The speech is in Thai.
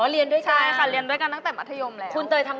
เรียนด้วยกันตั้งแต่มัธยมแล้ว